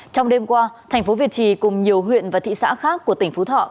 trong đêm qua tp việt trì cùng nhiều huyện và thị xã khác của tỉnh phú thọ